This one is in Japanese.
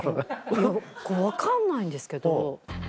いや分かんないんですけど。